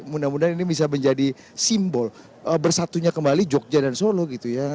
mudah mudahan ini bisa menjadi simbol bersatunya kembali jogja dan solo gitu ya